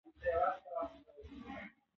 ننګرهار د افغانستان په اوږده تاریخ کې ذکر شوی دی.